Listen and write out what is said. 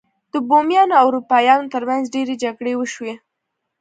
د بومیانو او اروپایانو ترمنځ ډیرې جګړې وشوې.